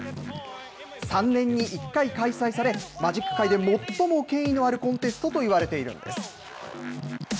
３年に１回開催され、マジック界で最も権威のあるコンテストといわれているんです。